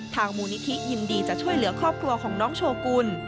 มูลนิธิยินดีจะช่วยเหลือครอบครัวของน้องโชกุล